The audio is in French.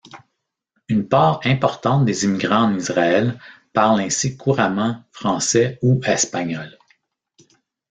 Une part importante des immigrants en Israël parlent ainsi couramment français ou espagnol.